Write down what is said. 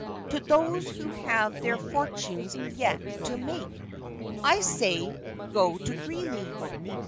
To those who have their fortunes yet to make, I say "go to Greeley."